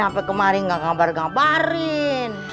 sampe kemaren gak ngabarin ngabarin